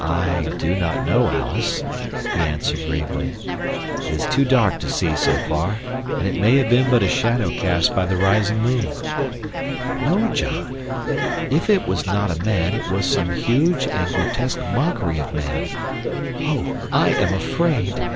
"I do not know, Alice," he answered gravely, "it is too dark to see so far, and it may have been but a shadow cast by the rising moon." "No, John, if it was not a man it was some huge and grotesque mockery of man. Oh, I am afraid."